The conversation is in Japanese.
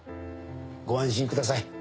ご安心ください